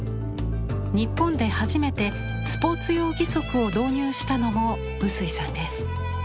日本で初めてスポーツ用義足を導入したのも臼井さんです。